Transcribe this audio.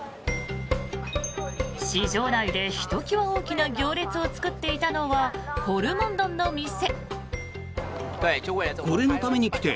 市場内でひときわ大きな行列を作っていたのはホルモン丼の店。